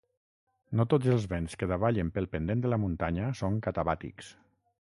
No tots els vents que davallen pel pendent de la muntanya són catabàtics.